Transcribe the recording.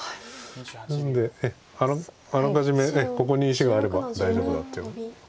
なのであらかじめここに石があれば大丈夫だという。